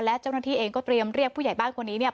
และเจ้าหน้าที่เองก็เตรียมเรียกผู้ใหญ่บ้านคนนี้เนี่ย